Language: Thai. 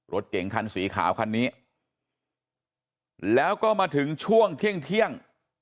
รถเก่งคันสีขาวคันนี้แล้วก็มาถึงช่วงเที่ยง